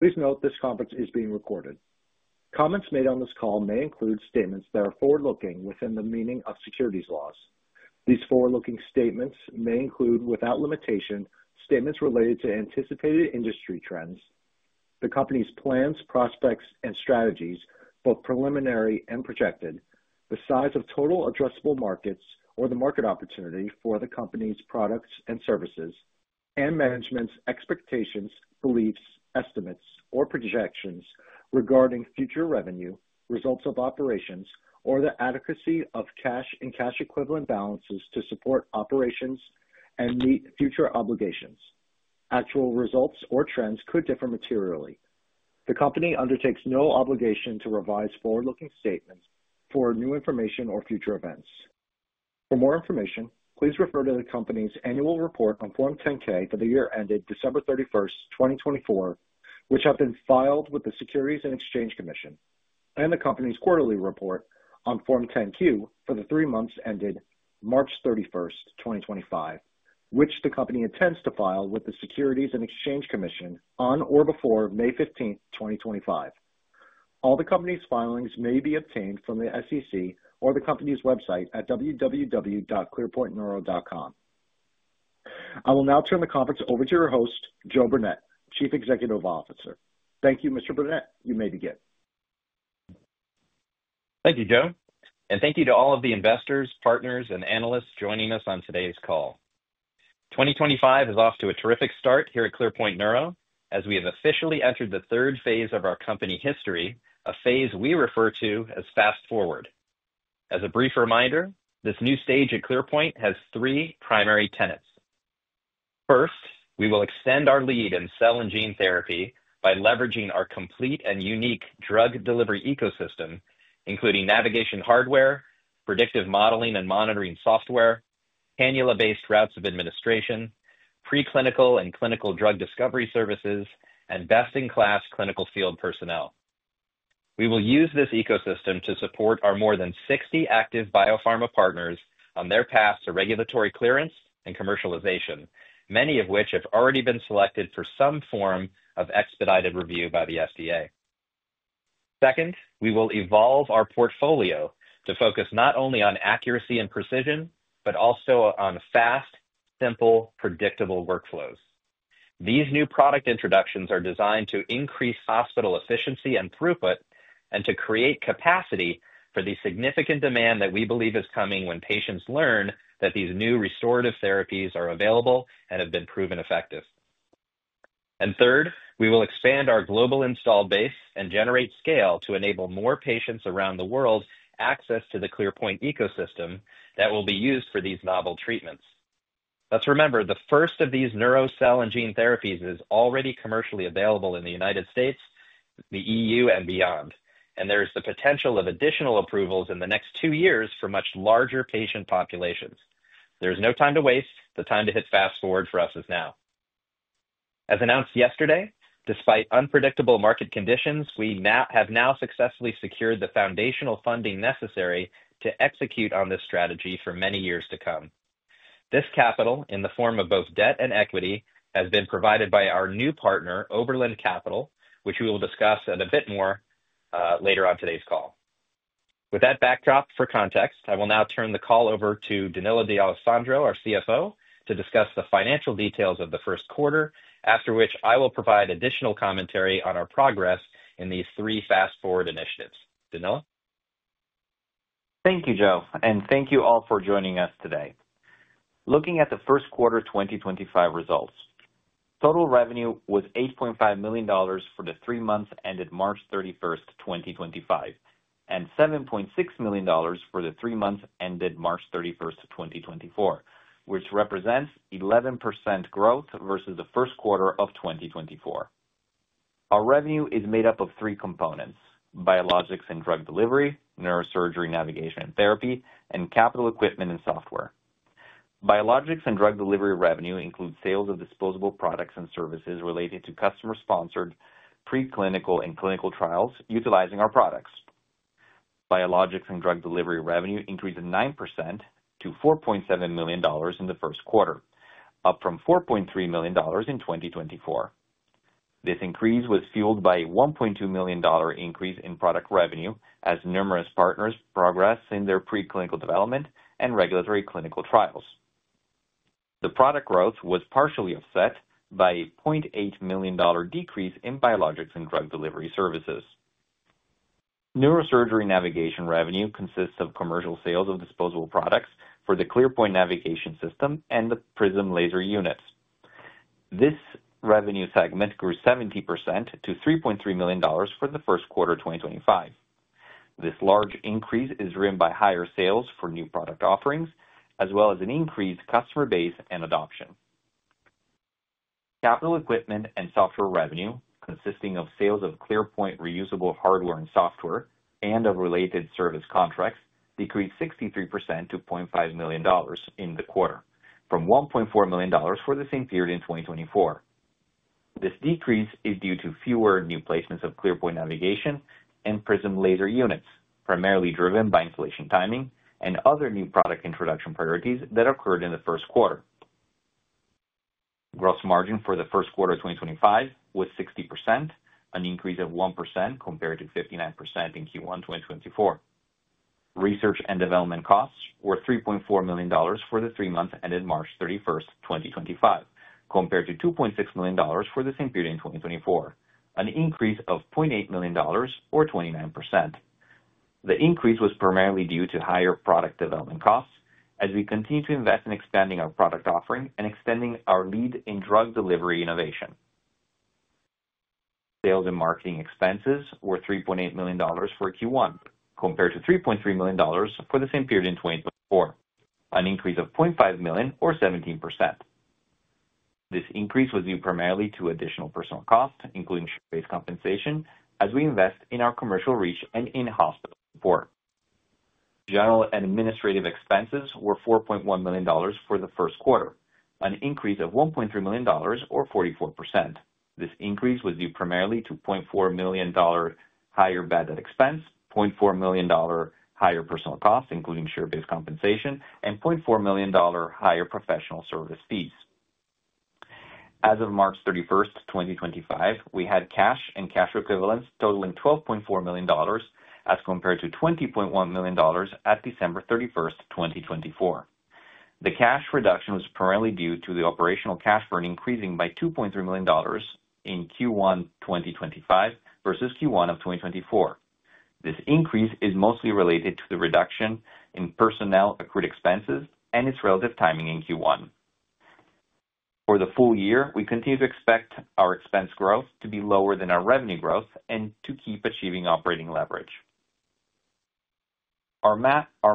Please note this conference is being recorded. Comments made on this call may include statements that are forward-looking within the meaning of securities laws. These forward-looking statements may include, without limitation, statements related to anticipated industry trends, the company's plans, prospects, and strategies, both preliminary and projected, the size of total addressable markets or the market opportunity for the company's products and services, and management's expectations, beliefs, estimates, or projections regarding future revenue, results of operations, or the adequacy of cash and cash-equivalent balances to support operations and meet future obligations. Actual results or trends could differ materially. The company undertakes no obligation to revise forward-looking statements for new information or future events. For more information, please refer to the company's annual report on Form 10-K for the year ended December 31, 2024, which has been filed with the Securities and Exchange Commission, and the company's quarterly report on Form 10-Q for the three months ended March 31, 2025, which the company intends to file with the Securities and Exchange Commission on or before May 15, 2025. All the company's filings may be obtained from the SEC or the company's website at www.clearpointneuro.com. I will now turn the conference over to your host, Joe Burnett, Chief Executive Officer. Thank you, Mr. Burnett, you may begin. Thank you, Joe. Thank you to all of the investors, partners, and analysts joining us on today's call. 2025 is off to a terrific start here at ClearPoint Neuro as we have officially entered the third phase of our company history, a phase we refer to as fast forward. As a brief reminder, this new stage at ClearPoint has three primary tenets. First, we will extend our lead in cell and gene therapy by leveraging our complete and unique drug delivery ecosystem, including navigation hardware, predictive modeling and monitoring software, cannula-based routes of administration, preclinical and clinical drug discovery services, and best-in-class clinical field personnel. We will use this ecosystem to support our more than 60 active biopharma partners on their path to regulatory clearance and commercialization, many of which have already been selected for some form of expedited review by the FDA. Second, we will evolve our portfolio to focus not only on accuracy and precision, but also on fast, simple, predictable workflows. These new product introductions are designed to increase hospital efficiency and throughput and to create capacity for the significant demand that we believe is coming when patients learn that these new restorative therapies are available and have been proven effective. Third, we will expand our global install base and generate scale to enable more patients around the world access to the ClearPoint ecosystem that will be used for these novel treatments. Let's remember, the first of these neurocell and gene therapies is already commercially available in the United States, the EU, and beyond. There is the potential of additional approvals in the next two years for much larger patient populations. There is no time to waste. The time to hit fast forward for us is now. As announced yesterday, despite unpredictable market conditions, we have now successfully secured the foundational funding necessary to execute on this strategy for many years to come. This capital, in the form of both debt and equity, has been provided by our new partner, Oberland Capital, which we will discuss a bit more later on today's call. With that backdrop for context, I will now turn the call over to Danilo D'Alessandro, our CFO, to discuss the financial details of the first quarter, after which I will provide additional commentary on our progress in these three fast-forward initiatives. Danilo. Thank you, Joe. Thank you all for joining us today. Looking at the first quarter 2025 results, total revenue was $8.5 million for the three months ended March 31, 2025, and $7.6 million for the three months ended March 31, 2024, which represents 11% growth versus the first quarter of 2024. Our revenue is made up of three components: biologics and drug delivery, neurosurgery, navigation and therapy, and capital equipment and software. Biologics and drug delivery revenue includes sales of disposable products and services related to customer-sponsored preclinical and clinical trials utilizing our products. Biologics and drug delivery revenue increased 9% to $4.7 million in the first quarter, up from $4.3 million in 2024. This increase was fueled by a $1.2 million increase in product revenue as numerous partners progressed in their preclinical development and regulatory clinical trials. The product growth was partially offset by a $0.8 million decrease in biologics and drug delivery services. Neurosurgery navigation revenue consists of commercial sales of disposable products for the ClearPoint Navigation System and the Prism Laser units. This revenue segment grew 70% to $3.3 million for the first quarter 2025. This large increase is driven by higher sales for new product offerings, as well as an increased customer base and adoption. Capital equipment and software revenue, consisting of sales of ClearPoint reusable hardware and software and of related service contracts, decreased 63% to $0.5 million in the quarter, from $1.4 million for the same period in 2024. This decrease is due to fewer new placements of ClearPoint Navigation and Prism Laser units, primarily driven by installation timing and other new product introduction priorities that occurred in the first quarter. Gross margin for the first quarter 2025 was 60%, an increase of 1% compared to 59% in Q1 2024. Research and development costs were $3.4 million for the three months ended March 31, 2025, compared to $2.6 million for the same period in 2024, an increase of $0.8 million, or 29%. The increase was primarily due to higher product development costs as we continue to invest in expanding our product offering and extending our lead in drug delivery innovation. Sales and marketing expenses were $3.8 million for Q1, compared to $3.3 million for the same period in 2024, an increase of $0.5 million, or 17%. This increase was due primarily to additional personnel costs, including share-based compensation, as we invest in our commercial reach and in-hospital support. General and administrative expenses were $4.1 million for the first quarter, an increase of $1.3 million, or 44%. This increase was due primarily to $0.4 million higher bad debt expense, $0.4 million higher personnel costs, including share-based compensation, and $0.4 million higher professional service fees. As of March 31, 2025, we had cash and cash equivalents totaling $12.4 million as compared to $20.1 million at December 31, 2024. The cash reduction was primarily due to the operational cash burn increasing by $2.3 million in Q1 2025 versus Q1 of 2024. This increase is mostly related to the reduction in personnel accrued expenses and its relative timing in Q1. For the full year, we continue to expect our expense growth to be lower than our revenue growth and to keep achieving operating leverage. Our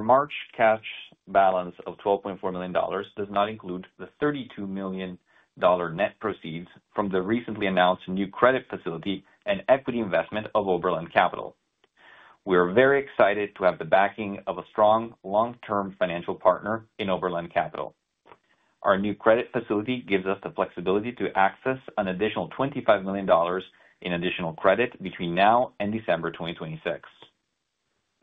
March cash balance of $12.4 million does not include the $32 million net proceeds from the recently announced new credit facility and equity investment of Oberland Capital. We are very excited to have the backing of a strong long-term financial partner in Oberland Capital. Our new credit facility gives us the flexibility to access an additional $25 million in additional credit between now and December 2026.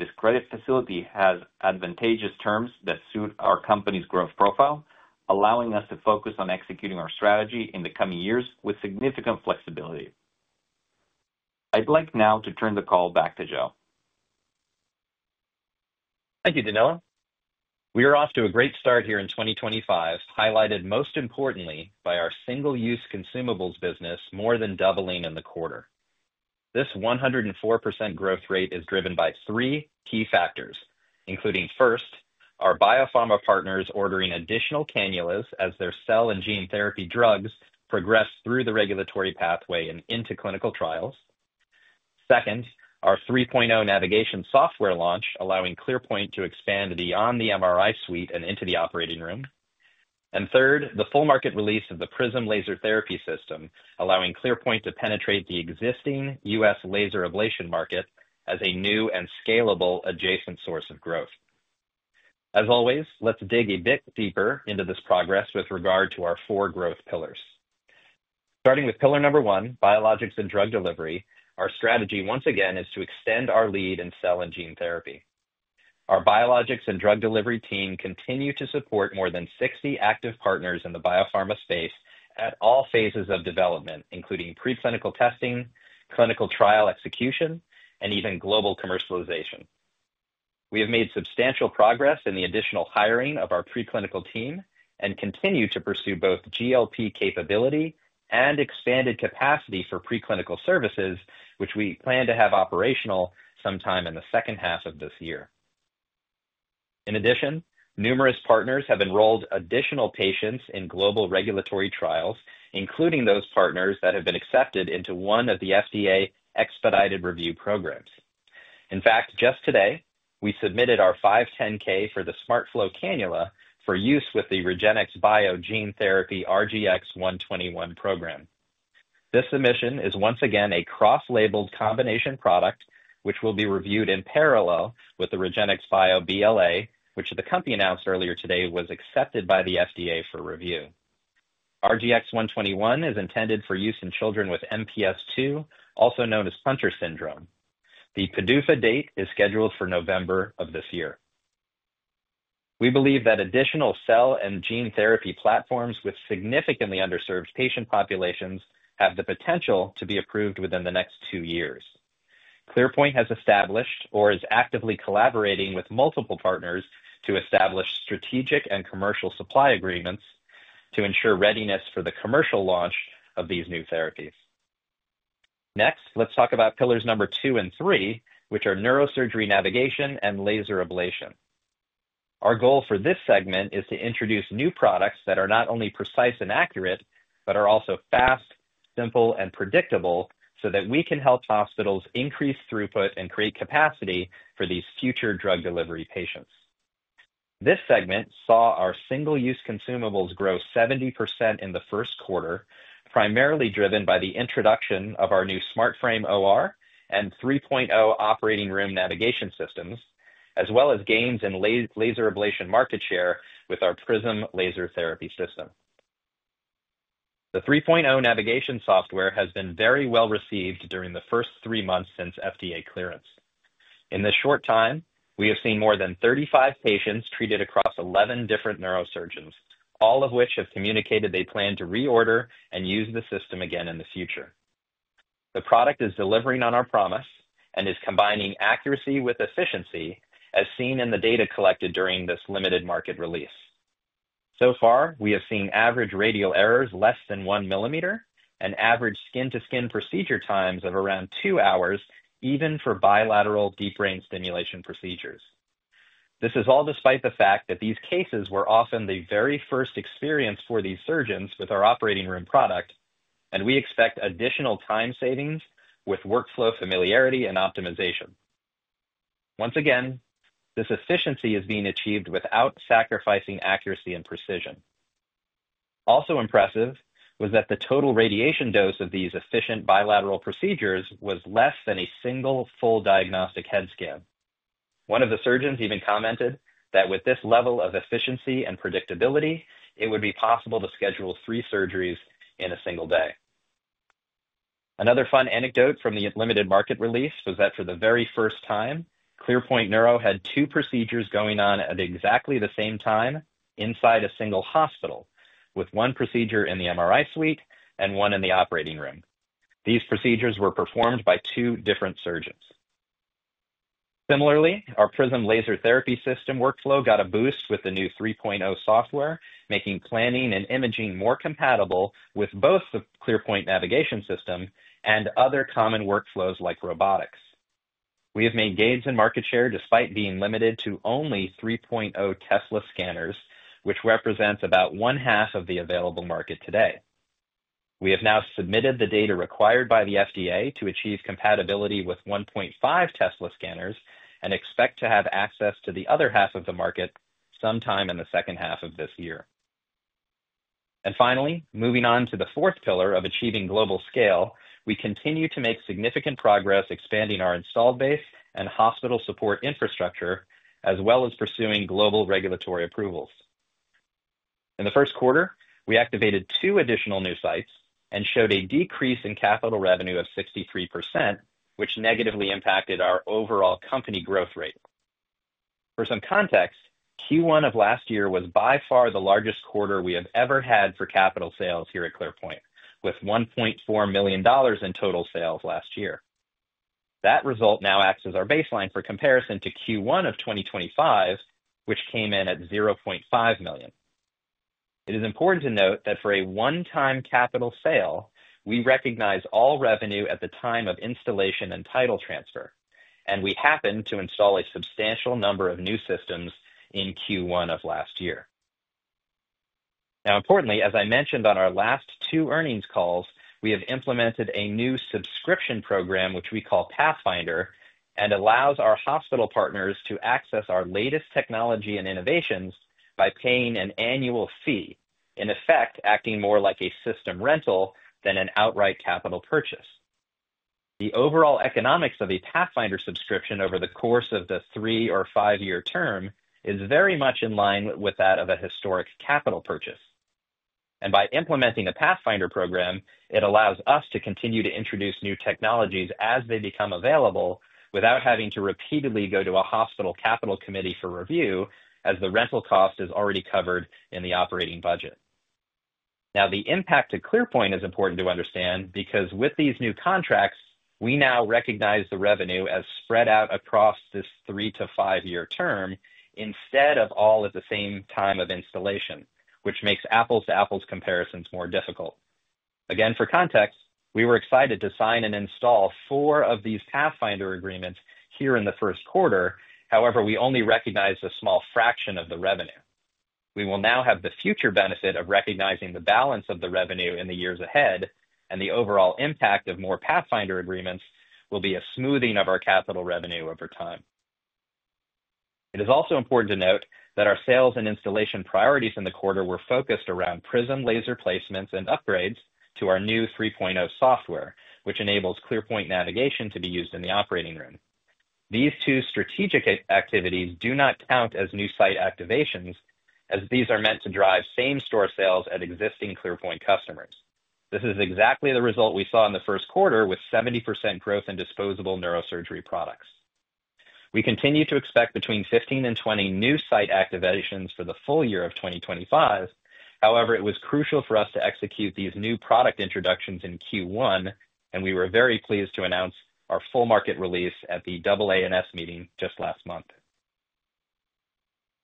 This credit facility has advantageous terms that suit our company's growth profile, allowing us to focus on executing our strategy in the coming years with significant flexibility. I'd like now to turn the call back to Joe. Thank you, Danilo. We are off to a great start here in 2025, highlighted most importantly by our single-use consumables business more than doubling in the quarter. This 104% growth rate is driven by three key factors, including first, our biopharma partners ordering additional cannulas as their cell and gene therapy drugs progress through the regulatory pathway and into clinical trials. Second, our 3.0 Navigation Software launch, allowing ClearPoint to expand beyond the MRI suite and into the operating room. Third, the full market release of the Prism Laser Therapy System, allowing ClearPoint to penetrate the existing U.S. laser ablation market as a new and scalable adjacent source of growth. As always, let's dig a bit deeper into this progress with regard to our four growth pillars. Starting with pillar number one, Biologics and Drug Delivery, our strategy once again is to extend our lead in cell and gene therapy. Our Biologics and Drug Delivery team continue to support more than 60 active partners in the biopharma space at all phases of development, including preclinical testing, clinical trial execution, and even global commercialization. We have made substantial progress in the additional hiring of our preclinical team and continue to pursue both GLP capability and expanded capacity for preclinical services, which we plan to have operational sometime in the second half of this year. In addition, numerous partners have enrolled additional patients in global regulatory trials, including those partners that have been accepted into one of the FDA Expedited Review Programs. In fact, just today, we submitted our 510(k) for the SmartFlow Cannula for use with the REGENXBIO gene therapy RGX-121 program. This submission is once again a cross-labeled combination product, which will be reviewed in parallel with the REGENXBIO BLA, which the company announced earlier today was accepted by the FDA for review. RGX-121 is intended for use in children with MPS ll, also known as Hunter syndrome. The PDUFA date is scheduled for November of this year. We believe that additional cell and gene therapy platforms with significantly underserved patient populations have the potential to be approved within the next two years. ClearPoint has established or is actively collaborating with multiple partners to establish strategic and commercial supply agreements to ensure readiness for the commercial launch of these new therapies. Next, let's talk about pillars number two and three, which are neurosurgery navigation and laser ablation. Our goal for this segment is to introduce new products that are not only precise and accurate, but are also fast, simple, and predictable so that we can help hospitals increase throughput and create capacity for these future drug delivery patients. This segment saw our single-use consumables grow 70% in the first quarter, primarily driven by the introduction of our new SmartFrame OR and 3.0 operating room navigation systems, as well as gains in laser ablation market share with our Prism Laser Therapy System. The 3.0 navigation software has been very well received during the first three months since FDA clearance. In this short time, we have seen more than 35 patients treated across 11 different neurosurgeons, all of which have communicated they plan to reorder and use the system again in the future. The product is delivering on our promise and is combining accuracy with efficiency, as seen in the data collected during this limited market release. So far, we have seen average radial errors less than 1 mm and average skin-to-skin procedure times of around two hours, even for bilateral deep brain stimulation procedures. This is all despite the fact that these cases were often the very first experience for these surgeons with our operating room product, and we expect additional time savings with workflow familiarity and optimization. Once again, this efficiency is being achieved without sacrificing accuracy and precision. Also impressive was that the total radiation dose of these efficient bilateral procedures was less than a single full diagnostic head scan. One of the surgeons even commented that with this level of efficiency and predictability, it would be possible to schedule three surgeries in a single day. Another fun anecdote from the limited market release was that for the very first time, ClearPoint Neuro had two procedures going on at exactly the same time inside a single hospital, with one procedure in the MRI suite and one in the operating room. These procedures were performed by two different surgeons. Similarly, our Prism Laser Therapy System workflow got a boost with the new 3.0 software, making planning and imaging more compatible with both the ClearPoint Navigation System and other common workflows like robotics. We have made gains in market share despite being limited to only 3.0 Tesla scanners, which represents about one-half of the available market today. We have now submitted the data required by the FDA to achieve compatibility with 1.5 Tesla scanners and expect to have access to the other half of the market sometime in the second half of this year. Finally, moving on to the fourth pillar of achieving global scale, we continue to make significant progress expanding our installed base and hospital support infrastructure, as well as pursuing global regulatory approvals. In the first quarter, we activated two additional new sites and showed a decrease in capital revenue of 63%, which negatively impacted our overall company growth rate. For some context, Q1 of last year was by far the largest quarter we have ever had for capital sales here at ClearPoint, with $1.4 million in total sales last year. That result now acts as our baseline for comparison to Q1 of 2024, which came in at $0.5 million. It is important to note that for a one-time capital sale, we recognize all revenue at the time of installation and title transfer, and we happen to install a substantial number of new systems in Q1 of last year. Now, importantly, as I mentioned on our last two earnings calls, we have implemented a new subscription program, which we call Pathfinder, and allows our hospital partners to access our latest technology and innovations by paying an annual fee, in effect acting more like a system rental than an outright capital purchase. The overall economics of a Pathfinder subscription over the course of the three or five-year term is very much in line with that of a historic capital purchase. By implementing a Pathfinder program, it allows us to continue to introduce new technologies as they become available without having to repeatedly go to a hospital capital committee for review, as the rental cost is already covered in the operating budget. Now, the impact to ClearPoint is important to understand because with these new contracts, we now recognize the revenue as spread out across this three- to five-year term instead of all at the same time of installation, which makes apples-to-apples comparisons more difficult. Again, for context, we were excited to sign and install four of these Pathfinder agreements here in the first quarter; however, we only recognized a small fraction of the revenue. We will now have the future benefit of recognizing the balance of the revenue in the years ahead, and the overall impact of more Pathfinder agreements will be a smoothing of our capital revenue over time. It is also important to note that our sales and installation priorities in the quarter were focused around Prism Laser placements and upgrades to our new 3.0 software, which enables ClearPoint navigation to be used in the operating room. These two strategic activities do not count as new site activations, as these are meant to drive same-store sales at existing ClearPoint customers. This is exactly the result we saw in the first quarter with 70% growth in disposable neurosurgery products. We continue to expect between 15-20 new site activations for the full year of 2025. However, it was crucial for us to execute these new product introductions in Q1, and we were very pleased to announce our full market release at the AANS meeting just last month.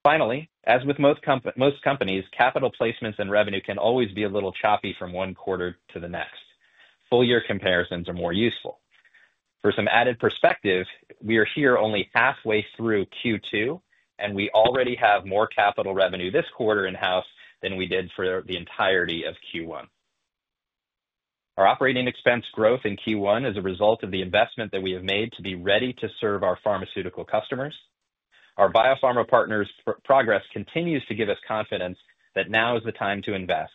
Finally, as with most companies, capital placements and revenue can always be a little choppy from one quarter to the next. Full-year comparisons are more useful. For some added perspective, we are here only halfway through Q2, and we already have more capital revenue this quarter in-house than we did for the entirety of Q1. Our operating expense growth in Q1 is a result of the investment that we have made to be ready to serve our pharmaceutical customers. Our biopharma partners' progress continues to give us confidence that now is the time to invest,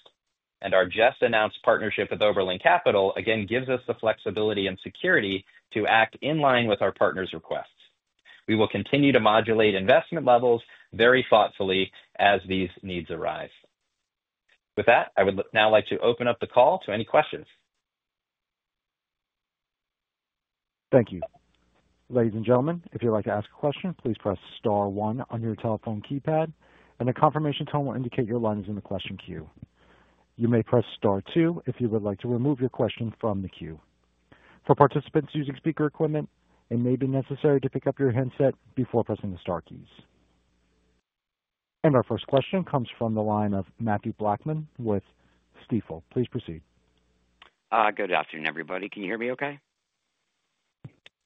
and our just-announced partnership with Oberland Capital again gives us the flexibility and security to act in line with our partners' requests. We will continue to modulate investment levels very thoughtfully as these needs arise. With that, I would now like to open up the call to any questions. Thank you. Ladies and gentlemen, if you'd like to ask a question, please press star one on your telephone keypad, and a confirmation tone will indicate your line is in the question queue. You may press star two if you would like to remove your question from the queue. For participants using speaker equipment, it may be necessary to pick up your headset before pressing the star keys. Our first question comes from the line of Mathew Blackman with Stifel. Please proceed. Good afternoon, everybody. Can you hear me okay?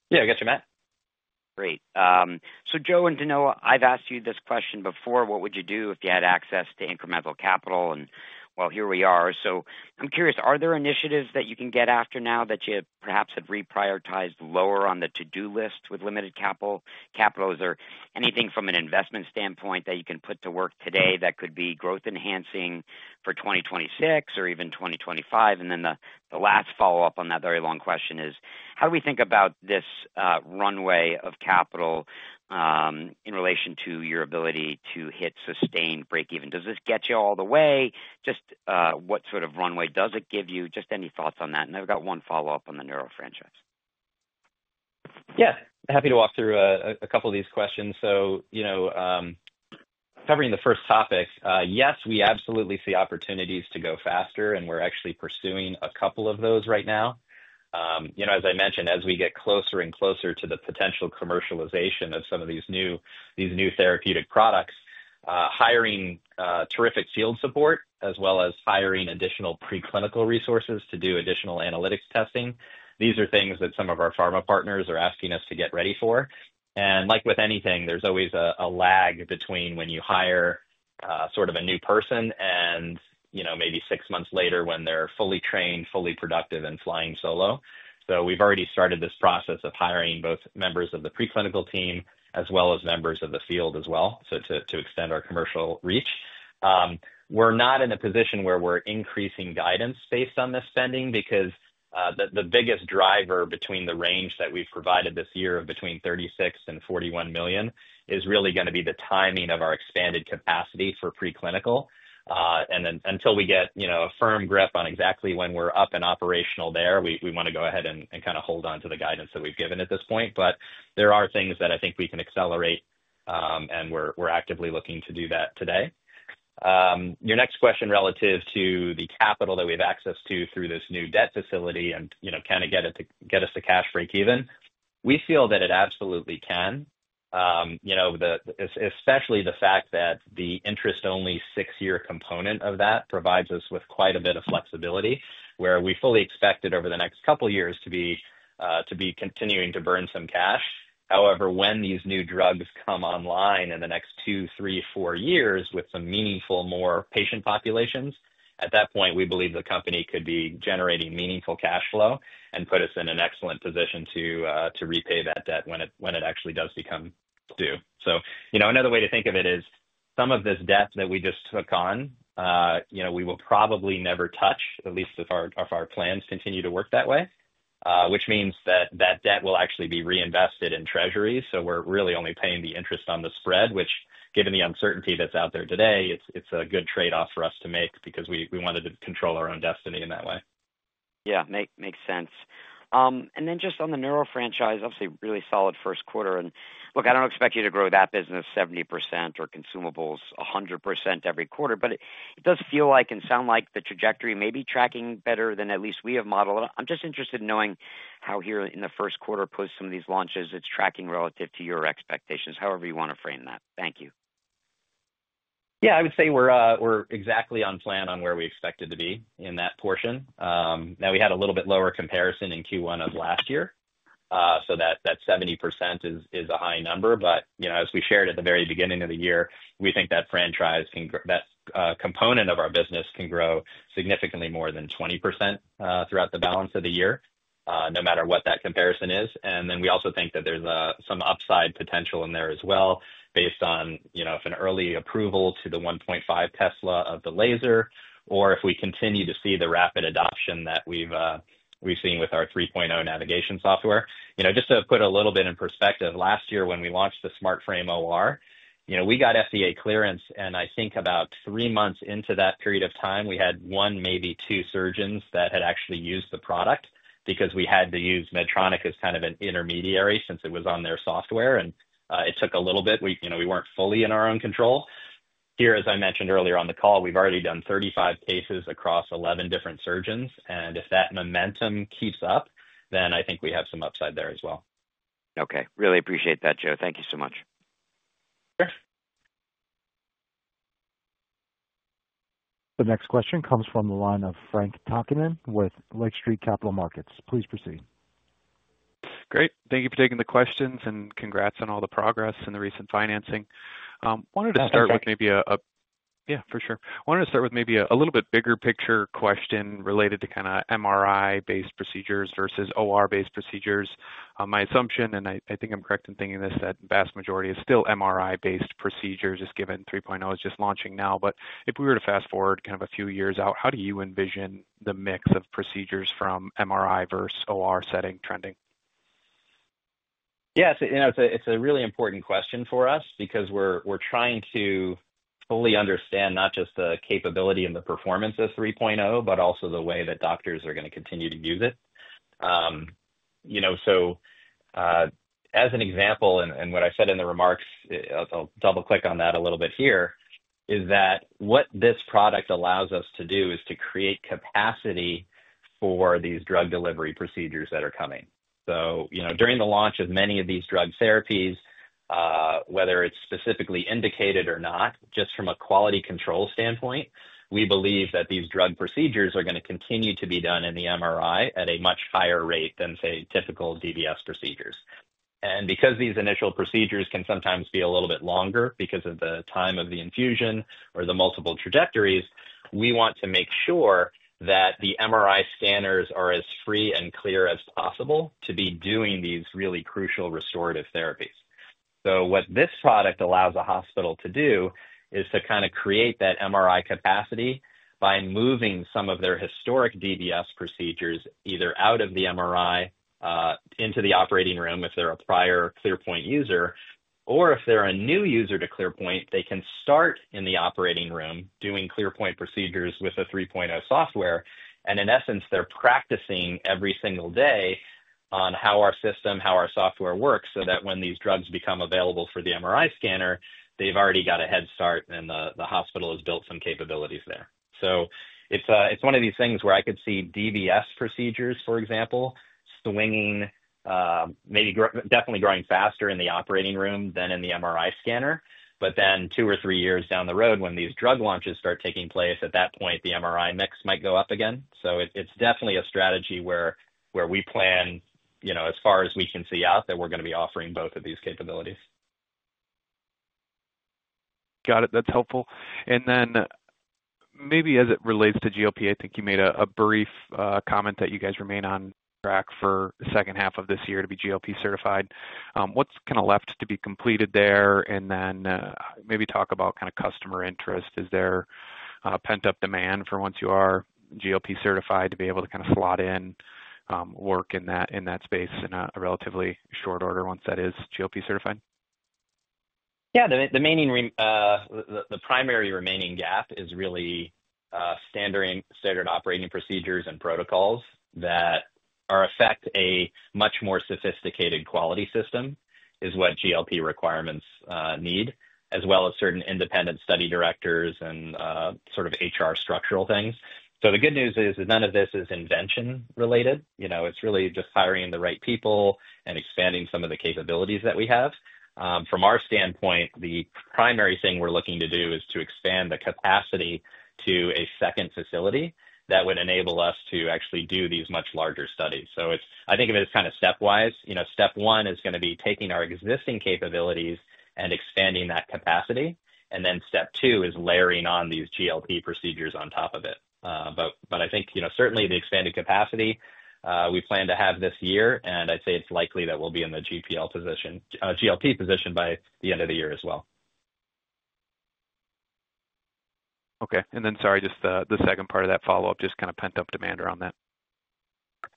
Yeah, I got you, Mat. Great. Joe and Danilo, I've asked you this question before. What would you do if you had access to incremental capital? Here we are. I'm curious, are there initiatives that you can get after now that you perhaps have reprioritized lower on the to-do list with limited capital? Is there anything from an investment standpoint that you can put to work today that could be growth-enhancing for 2026 or even 2025? The last follow-up on that very long question is, how do we think about this runway of capital in relation to your ability to hit sustained break-even? Does this get you all the way? What sort of runway does it give you? Any thoughts on that. I've got one follow-up on the Neuro franchise. Yeah. Happy to walk through a couple of these questions. Covering the first topic, yes, we absolutely see opportunities to go faster, and we're actually pursuing a couple of those right now. As I mentioned, as we get closer and closer to the potential commercialization of some of these new therapeutic products, hiring terrific field support, as well as hiring additional preclinical resources to do additional analytics testing, these are things that some of our pharma partners are asking us to get ready for. Like with anything, there's always a lag between when you hire sort of a new person and maybe six months later when they're fully trained, fully productive, and flying solo. We've already started this process of hiring both members of the preclinical team as well as members of the field as well to extend our commercial reach. We're not in a position where we're increasing guidance based on this spending because the biggest driver between the range that we've provided this year of between $36 million and $41 million is really going to be the timing of our expanded capacity for preclinical. Until we get a firm grip on exactly when we're up and operational there, we want to go ahead and kind of hold on to the guidance that we've given at this point. There are things that I think we can accelerate, and we're actively looking to do that today. Your next question relative to the capital that we have access to through this new debt facility and kind of get us to cash break-even, we feel that it absolutely can, especially the fact that the interest-only six-year component of that provides us with quite a bit of flexibility, where we fully expect it over the next couple of years to be continuing to burn some cash. However, when these new drugs come online in the next two, three, four years with some meaningful more patient populations, at that point, we believe the company could be generating meaningful cash flow and put us in an excellent position to repay that debt when it actually does become due. Another way to think of it is some of this debt that we just took on, we will probably never touch, at least if our plans continue to work that way, which means that that debt will actually be reinvested in Treasuries. We are really only paying the interest on the spread, which, given the uncertainty that is out there today, is a good trade-off for us to make because we wanted to control our own destiny in that way. Yeah, makes sense. Just on the Neuro franchise, obviously really solid first quarter. Look, I do not expect you to grow that business 70% or consumables 100% every quarter, but it does feel like and sound like the trajectory may be tracking better than at least we have modeled it. I am just interested in knowing how here in the first quarter post some of these launches it is tracking relative to your expectations, however you want to frame that. Thank you. Yeah, I would say we're exactly on plan on where we expected to be in that portion. We had a little bit lower comparison in Q1 of last year, so that 70% is a high number. As we shared at the very beginning of the year, we think that franchise component of our business can grow significantly more than 20% throughout the balance of the year, no matter what that comparison is. We also think that there's some upside potential in there as well based on an early approval to the 1.5 Tesla of the Laser, or if we continue to see the rapid adoption that we've seen with our 3.0 navigation software. Just to put a little bit in perspective, last year when we launched the SmartFrame OR, we got FDA clearance, and I think about three months into that period of time, we had one, maybe two surgeons that had actually used the product because we had to use Medtronic as kind of an intermediary since it was on their software, and it took a little bit. We were not fully in our own control. Here, as I mentioned earlier on the call, we have already done 35 cases across 11 different surgeons, and if that momentum keeps up, then I think we have some upside there as well. Okay. Really appreciate that, Joe. Thank you so much. Sure. The next question comes from the line of Frank Takkinen with Lake Street Capital Markets. Please proceed. Great. Thank you for taking the questions and congrats on all the progress and the recent financing. Wanted to start with maybe a—yeah, for sure. Wanted to start with maybe a little bit bigger picture question related to kind of MRI-based procedures versus OR-based procedures. My assumption, and I think I'm correct in thinking this, that the vast majority is still MRI-based procedures just given 3.0 is just launching now. If we were to fast forward kind of a few years out, how do you envision the mix of procedures from MRI versus OR setting trending? Yeah, it's a really important question for us because we're trying to fully understand not just the capability and the performance of 3.0, but also the way that doctors are going to continue to use it. As an example, and what I said in the remarks, I'll double-click on that a little bit here, is that what this product allows us to do is to create capacity for these drug delivery procedures that are coming. During the launch of many of these drug therapies, whether it's specifically indicated or not, just from a quality control standpoint, we believe that these drug procedures are going to continue to be done in the MRI at a much higher rate than, say, typical DBS procedures. Because these initial procedures can sometimes be a little bit longer because of the time of the infusion or the multiple trajectories, we want to make sure that the MRI scanners are as free and clear as possible to be doing these really crucial restorative therapies. What this product allows a hospital to do is to kind of create that MRI capacity by moving some of their historic DBS procedures either out of the MRI into the operating room if they're a prior ClearPoint user, or if they're a new user to ClearPoint, they can start in the operating room doing ClearPoint procedures with a 3.0 software. In essence, they're practicing every single day on how our system, how our software works, so that when these drugs become available for the MRI scanner, they've already got a head start and the hospital has built some capabilities there. It's one of these things where I could see DBS procedures, for example, swinging, maybe definitely growing faster in the operating room than in the MRI scanner. But then two or three years down the road, when these drug launches start taking place, at that point, the MRI mix might go up again. It's definitely a strategy where we plan as far as we can see out that we're going to be offering both of these capabilities. Got it. That's helpful. Maybe as it relates to GLP, I think you made a brief comment that you guys remain on track for the second half of this year to be GLP certified. What's kind of left to be completed there? Maybe talk about kind of customer interest. Is there pent-up demand for once you are GLP certified to be able to kind of slot in work in that space in a relatively short order once that is GLP certified? Yeah. The primary remaining gap is really standard operating procedures and protocols that affect a much more sophisticated quality system is what GLP requirements need, as well as certain independent study directors and sort of HR structural things. The good news is none of this is invention-related. It is really just hiring the right people and expanding some of the capabilities that we have. From our standpoint, the primary thing we are looking to do is to expand the capacity to a second facility that would enable us to actually do these much larger studies. I think of it as kind of stepwise. Step one is going to be taking our existing capabilities and expanding that capacity. Step two is layering on these GLP procedures on top of it. I think certainly the expanded capacity we plan to have this year, and I'd say it's likely that we'll be in the GLP position, GMP position by the end of the year as well. Okay. Sorry, just the second part of that follow-up, just kind of pent-up demand around that.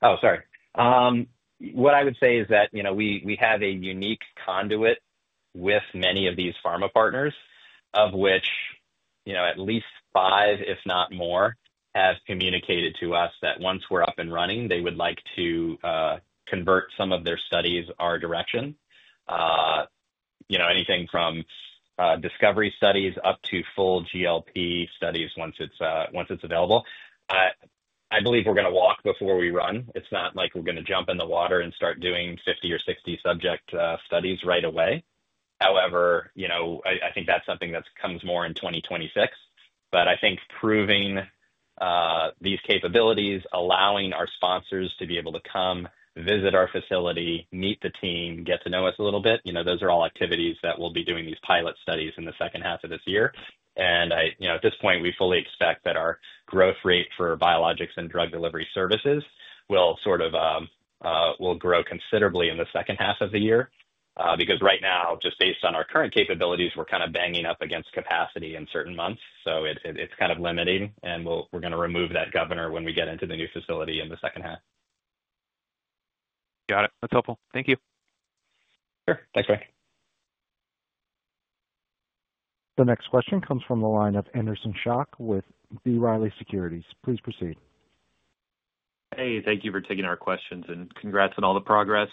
Oh, sorry. What I would say is that we have a unique conduit with many of these pharma partners, of which at least five, if not more, have communicated to us that once we're up and running, they would like to convert some of their studies our direction. Anything from discovery studies up to full GLP studies once it's available. I believe we're going to walk before we run. It's not like we're going to jump in the water and start doing 50 or 60 subject studies right away. However, I think that's something that comes more in 2026. I think proving these capabilities, allowing our sponsors to be able to come visit our facility, meet the team, get to know us a little bit, those are all activities that we'll be doing these pilot studies in the second half of this year. At this point, we fully expect that our growth rate for biologics and drug delivery services will sort of grow considerably in the second half of the year because right now, just based on our current capabilities, we're kind of banging up against capacity in certain months. It is kind of limiting, and we're going to remove that governor when we get into the new facility in the second half. Got it. That's helpful. Thank you. Sure. Thanks, Frank. The next question comes from the line of Anderson Schock with B. Riley Securities. Please proceed. Hey, thank you for taking our questions and congrats on all the progress.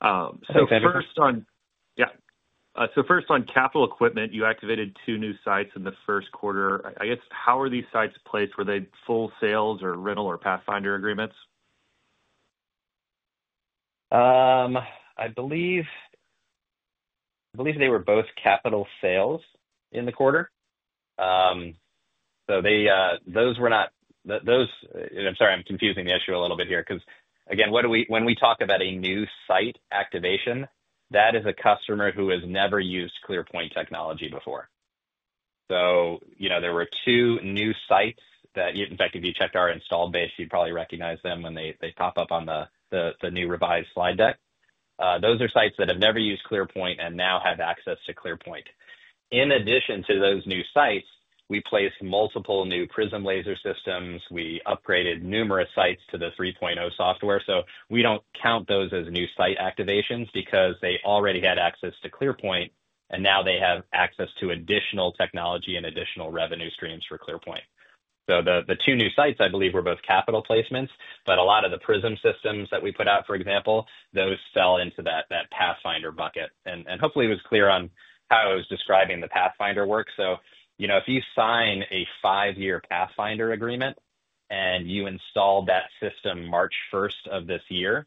First on. Thanks, Anderson? Yeah. So first on capital equipment, you activated two new sites in the first quarter. I guess how are these sites placed? Were they full sales or rental or Pathfinder agreements? I believe they were both capital sales in the quarter. Those were not—I'm sorry, I'm confusing the issue a little bit here because, again, when we talk about a new site activation, that is a customer who has never used ClearPoint technology before. There were two new sites that, in fact, if you checked our installed base, you would probably recognize them when they pop up on the new revised slide deck. Those are sites that have never used ClearPoint and now have access to ClearPoint. In addition to those new sites, we placed multiple new Prism Laser Therapy Systems. We upgraded numerous sites to the 3.0 Navigation Software. We do not count those as new site activations because they already had access to ClearPoint, and now they have access to additional technology and additional revenue streams for ClearPoint. The two new sites, I believe, were both capital placements, but a lot of the Prism systems that we put out, for example, those fell into that Pathfinder bucket. Hopefully, it was clear on how I was describing the Pathfinder work. If you sign a five-year Pathfinder agreement and you install that system March 1st of this year,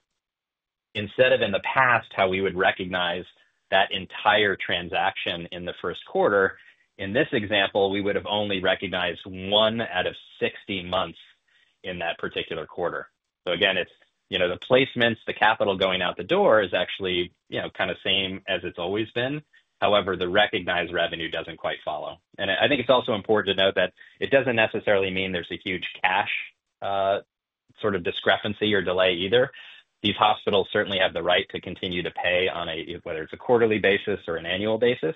instead of in the past, how we would recognize that entire transaction in the first quarter, in this example, we would have only recognized one out of 60 months in that particular quarter. The placements, the capital going out the door is actually kind of same as it has always been. However, the recognized revenue does not quite follow. I think it is also important to note that it does not necessarily mean there is a huge cash sort of discrepancy or delay either. These hospitals certainly have the right to continue to pay on a, whether it's a quarterly basis or an annual basis.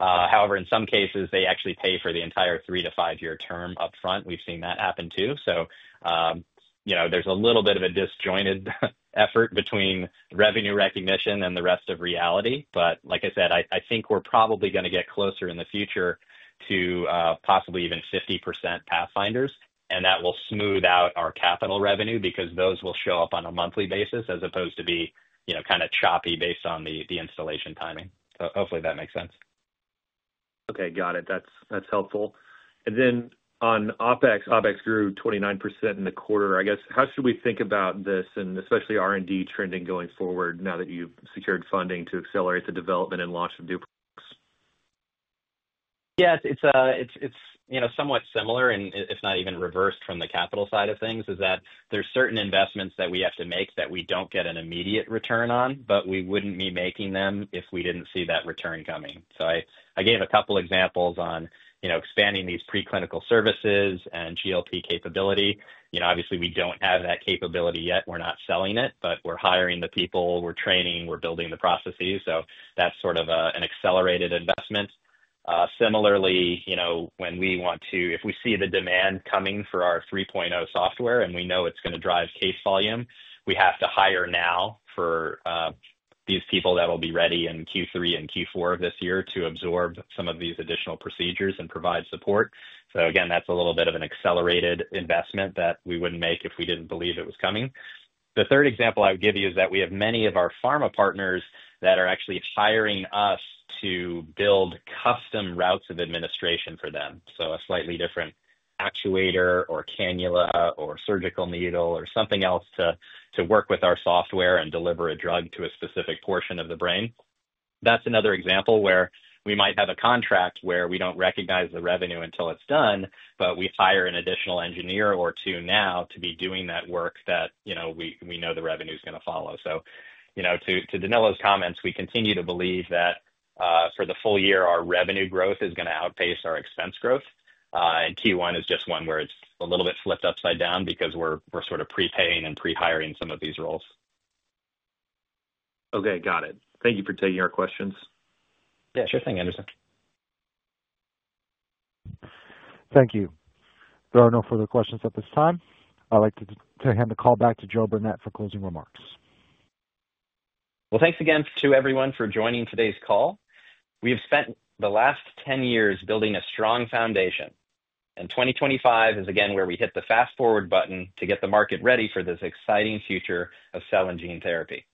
However, in some cases, they actually pay for the entire three- to five-year term upfront. We've seen that happen too. There is a little bit of a disjointed effort between revenue recognition and the rest of reality. Like I said, I think we're probably going to get closer in the future to possibly even 50% Pathfinders, and that will smooth out our capital revenue because those will show up on a monthly basis as opposed to being kind of choppy based on the installation timing. Hopefully, that makes sense. Okay. Got it. That's helpful. On OpEx, OpEx grew 29% in the quarter. I guess how should we think about this and especially R&D trending going forward now that you've secured funding to accelerate the development and launch of new products? Yeah, it's somewhat similar, if not even reversed from the capital side of things, is that there's certain investments that we have to make that we don't get an immediate return on, but we wouldn't be making them if we didn't see that return coming. I gave a couple of examples on expanding these preclinical services and GLP capability. Obviously, we don't have that capability yet. We're not selling it, but we're hiring the people. We're training. We're building the processes. That's sort of an accelerated investment. Similarly, when we want to, if we see the demand coming for our 3.0 software and we know it's going to drive case volume, we have to hire now for these people that will be ready in Q3 and Q4 of this year to absorb some of these additional procedures and provide support. Again, that's a little bit of an accelerated investment that we wouldn't make if we didn't believe it was coming. The third example I would give you is that we have many of our pharma partners that are actually hiring us to build custom routes of administration for them. A slightly different actuator or cannula or surgical needle or something else to work with our software and deliver a drug to a specific portion of the brain. That's another example where we might have a contract where we don't recognize the revenue until it's done, but we hire an additional engineer or two now to be doing that work that we know the revenue is going to follow. To Danilo's comments, we continue to believe that for the full year, our revenue growth is going to outpace our expense growth. Q1 is just one where it's a little bit flipped upside down because we're sort of prepaying and prehiring some of these roles. Okay. Got it. Thank you for taking our questions. Yeah, sure thing, Anderson. Thank you. There are no further questions at this time. I'd like to hand the call back to Joe Burnett for closing remarks. Thanks again to everyone for joining today's call. We have spent the last 10 years building a strong foundation, and 2025 is again where we hit the fast forward button to get the market ready for this exciting future of cell and gene therapy.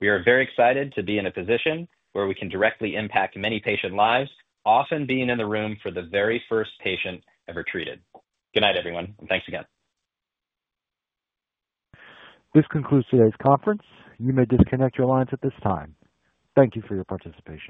We are very excited to be in a position where we can directly impact many patient lives, often being in the room for the very first patient ever treated. Good night, everyone, and thanks again. This concludes today's conference. You may disconnect your lines at this time. Thank you for your participation.